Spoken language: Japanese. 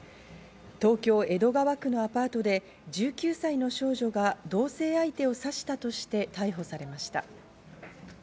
東京・江戸川区のアパートで１９歳の少女が同棲相手を刺したとして逮捕されました。